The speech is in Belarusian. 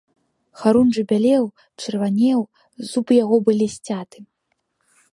Харунжы бялеў, чырванеў, зубы яго былі сцяты.